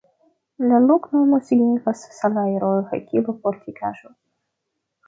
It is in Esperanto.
La loknomo signifas: salajro-hakilo-fortikaĵo.